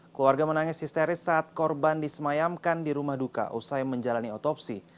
keluarga menangis histeris saat korban disemayamkan di rumah duka usai menjalani otopsi